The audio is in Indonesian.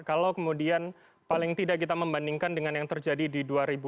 kalau kemudian paling tidak kita membandingkan dengan yang terjadi di dua ribu dua puluh